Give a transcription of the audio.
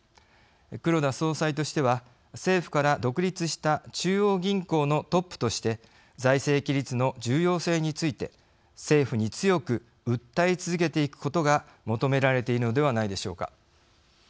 黒田総裁としては政府から独立した中央銀行のトップとして財政規律の重要性について政府に強く訴え続けていくことが求められているのではないでしょうか。